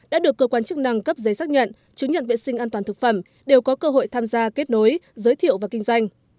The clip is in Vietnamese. đã được cơ quan chức năng cấp giấy xác nhận chứng nhận vệ sinh an toàn thực phẩm đều có cơ hội tham gia kết nối giới thiệu và kinh doanh